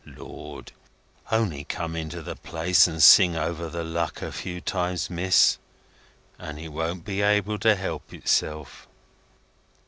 Lord! Only come into the place and sing over the luck a few times, Miss, and it won't be able to help itself!"